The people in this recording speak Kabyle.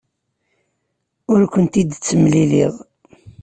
Ur kent-id-ttemliliɣ.